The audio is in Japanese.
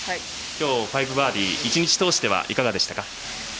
今日５バーディー１日通してはいかがでしたか？